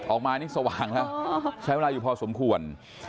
ออกมานี่สว่างแล้วใช้เวลาอยู่พอสมควร